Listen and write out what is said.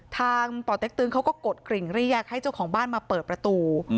ป่อเต็กตึงเขาก็กดกริ่งเรียกให้เจ้าของบ้านมาเปิดประตู